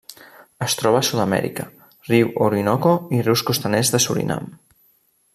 Es troba a Sud-amèrica: riu Orinoco i rius costaners de Surinam.